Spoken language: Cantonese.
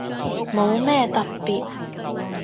冇咩特別